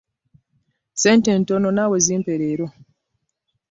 Ssente ntono naawe zimpe leero.